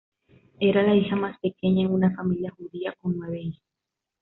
Era la hija más pequeña en una familia judía con nueve hijos.